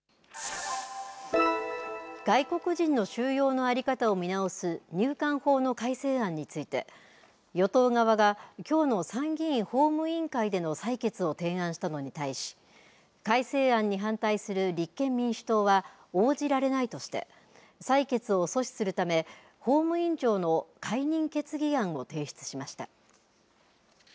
外国人の収容の在り方を見直す入管法の改正案について与党側がきょうの参議院法務委員会での採決を提案したのに対し改正案に反対する立憲民主党は応じられないとして採決を阻止するため法務委員長の解任決議案を提出しました。